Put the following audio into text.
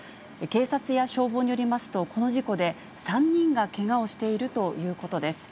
警察や消防によりますと、この事故で、３人がけがをしているということです。